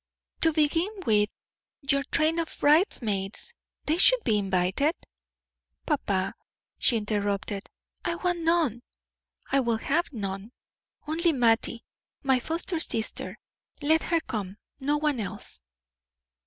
"To begin with your train of bridesmaids, they must be invited." "Papa," she interrupted, "I want none, I will have none, only Mattie, my foster sister let her come, no one else."